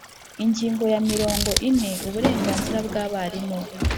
Ingingo ya mirongo ine Uburenganzira bw abarimu